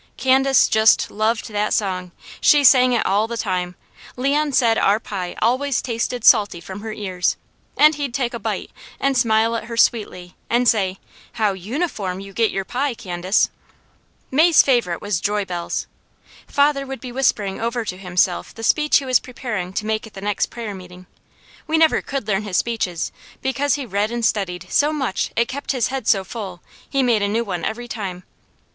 Candace just loved that song. She sang it all the time. Leon said our pie always tasted salty from her tears, and he'd take a bite and smile at her sweetly and say: "How UNIFORM you get your pie, Candace!" May's favourite was "Joy Bells." Father would be whispering over to himself the speech he was preparing to make at the next prayer meeting. We never could learn his speeches, because he read and studied so much it kept his head so full, he made a new one every time.